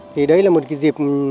thì đây là một cái dịp